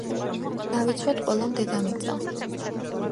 დავიცვათ ყველამ დედამიწა